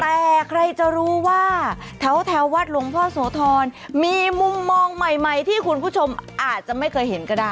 แต่ใครจะรู้ว่าแถววัดหลวงพ่อโสธรมีมุมมองใหม่ที่คุณผู้ชมอาจจะไม่เคยเห็นก็ได้